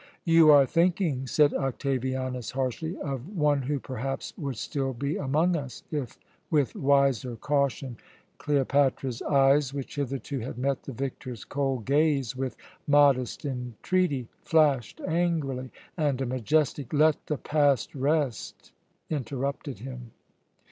"You are thinking," said Octavianus harshly, "of one who perhaps would still be among us, if with wiser caution " Cleopatra's eyes, which hitherto had met the victor's cold gaze with modest entreaty, flashed angrily, and a majestic: "Let the past rest!" interrupted him.